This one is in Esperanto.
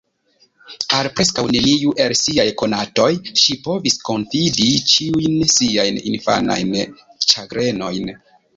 Al preskaŭ neniu el siaj konatoj ŝi povis konfidi ĉiujn siajn infanajn ĉagrenojn.